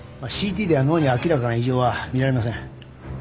ＣＴでは脳に明らかな異常は見られません。